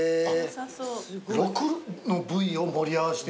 ６の部位を盛り合わせて。